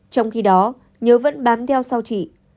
trong khi đó nhớ vẫn bám theo sau chị